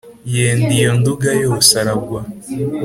yenda iyo nduga yose aragwa